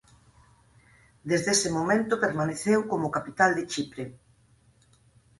Desde ese momento permaneceu como capital de Chipre.